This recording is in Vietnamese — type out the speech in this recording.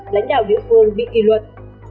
lãnh đạo địa phương bị kỳ luật